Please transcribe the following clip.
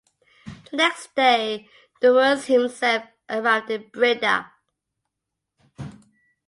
The next day Dumouriez himself arrived in Breda.